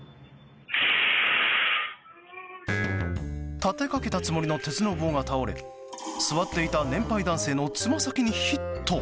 立てかけたつもりの鉄の棒が倒れ座っていた年配男性のつま先にヒット！